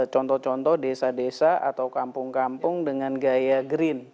contoh contoh desa desa atau kampung kampung dengan gaya green